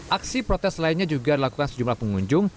aksi protes lainnya juga dilakukan sejumlah pengunjung